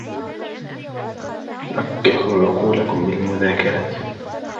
لَقِّحُوا عُقُولَكُمْ بِالْمُذَاكَرَةِ